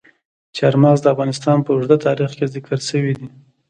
چار مغز د افغانستان په اوږده تاریخ کې ذکر شوي دي.